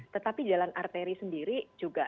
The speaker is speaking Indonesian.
tetapi jalan arteri sendiri juga